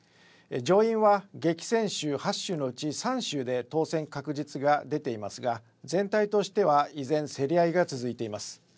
上院は激戦州８州のうち３州で当選確実が出ていますが全体としては依然、競り合いが続いています。